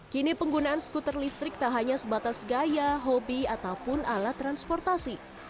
kini penggunaan skuter listrik tak hanya sebatas gaya hobi ataupun alat transportasi